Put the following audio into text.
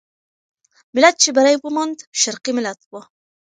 ملت چې بری وموند، شرقي ملت وو.